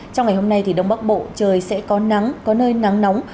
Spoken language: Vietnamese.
trong ngày hôm nay đông bắc bộ trời sẽ có nắng có nơi nắng nóng